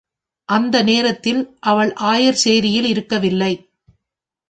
அந்த நேரத்தில் அவள் ஆயர் சேரியில் இருக்கவில்லை.